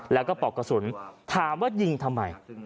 แล้วก็ปอกกระสุนถามว่ายิงทำไม